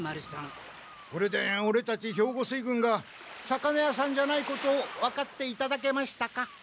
これでオレたち兵庫水軍が魚屋さんじゃないことを分かっていただけましたか？